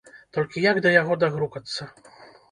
Толькі як да яго дагрукацца?